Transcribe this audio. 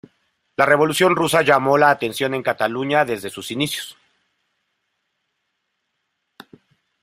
La Revolución rusa llamó la atención en Cataluña desde sus inicios.